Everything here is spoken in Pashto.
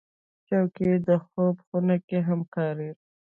چوکۍ د خوب خونه کې هم کارېږي.